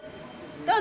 どうぞ。